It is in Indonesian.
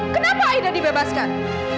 kenapa aida dibebaskan